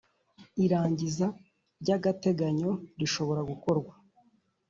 Irangiza ry ‘agateganyo rishobora gukorwa.